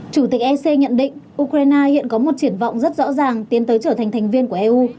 chủ tịch ec nhận định ukraine hiện có một triển vọng rất rõ ràng tiến tới trở thành thành viên của eu